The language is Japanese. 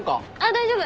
大丈夫。